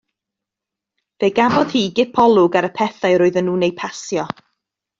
Fe gafodd hi gipolwg ar y pethau roedden nhw'n eu pasio.